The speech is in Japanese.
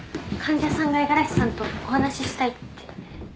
患者さんが五十嵐さんとお話ししたいって。